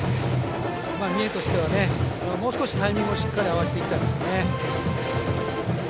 三重としてはもう少しタイミングをしっかり合わせていきたいですね。